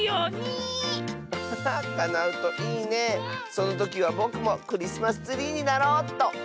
そのときはぼくもクリスマスツリーになろうっと。